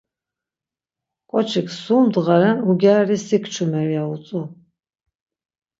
Ǩoçik, 'sum ndğa ren ugyareli si kçumer' ya utzu.